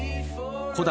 古代